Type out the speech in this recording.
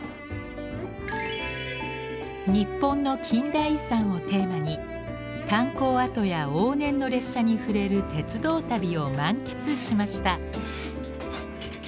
日本の近代遺産をテーマに炭鉱跡や往年の列車に触れる鉄道旅を満喫しました。